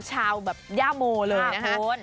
ชาวแบบย่าโมเลยนะคะ